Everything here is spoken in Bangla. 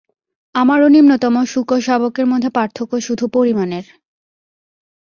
আমার ও নিম্নতম শূকরশাবকের মধ্যে পার্থক্য শুধু পরিমাণের।